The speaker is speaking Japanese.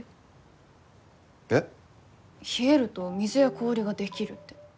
冷えると水や氷が出来るって。